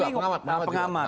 pengamat juga pengamat